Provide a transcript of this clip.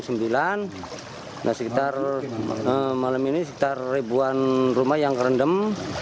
sekitar malam ini sekitar ribuan rumah yang terendam